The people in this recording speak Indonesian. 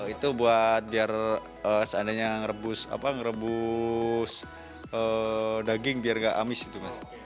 itu buat biar seandainya ngerebus daging biar nggak amis gitu mas